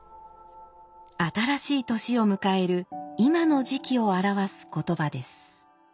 新しい年を迎える今の時期を表す言葉です。